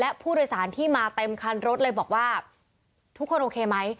และผู้โดยสารที่มาเต็มคันรถเลยบอกว่าทุกคนโอเคไหม